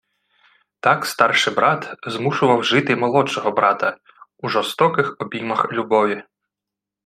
Так «старший брат» змушував жити «молодшого брата» – у жорстоких «обіймах любові»